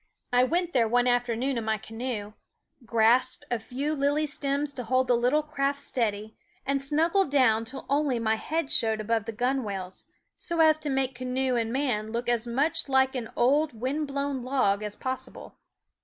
I went there one afternoon in my canoe, grasped a few lily stems to hold the little craft steady, and snuggled down till only my head showed above the gunwales, so as to make canoe and man look as much like an old, wind blown log as possible.